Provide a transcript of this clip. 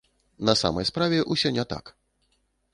На самай справе, усё не так.